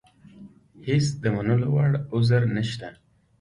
هېڅ د منلو وړ عذر نشته.